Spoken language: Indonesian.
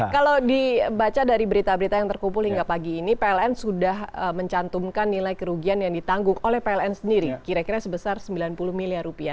kalau dibaca dari berita berita yang terkumpul hingga pagi ini pln sudah mencantumkan nilai kerugian yang ditanggung oleh pln sendiri kira kira sebesar sembilan puluh miliar rupiah